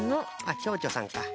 ちょうちょさんか。